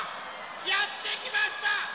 やってきました！